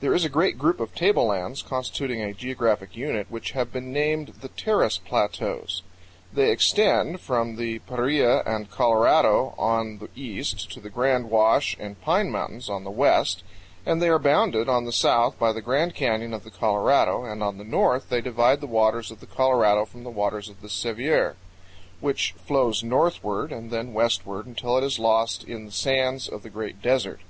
THERE is a great group of table lands constituting a geographic unit which have been named the Terrace Plateaus. They ex tend from the Paria and Colorado on the east to the Grand Wash and Pine Mountains on the west, and they are bounded on the south by the Grand Canyon of the Colorado, and on the north they divide the waters of the Colorado from the waters of the Sevier, which flows northward and then westward until it is lost in the sands of the Great Desert.